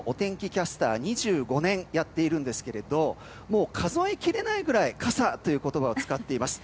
キャスター２５年やっているんですけどもう数えきれないくらい傘という言葉を使っています。